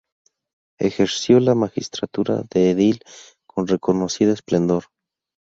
Ejerció la magistratura de edil con reconocido esplendor.